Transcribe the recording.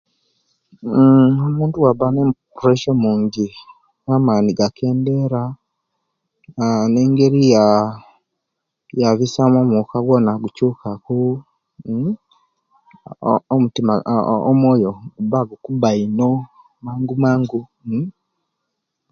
Uuh omuntu owaba na puresia omungi amaani gakendera mmm nengeri yaah yabisamu omwoka yona gukyukaku mmm ooh omutima ooh omoyo gubba gukubba ino mangu mangu uuh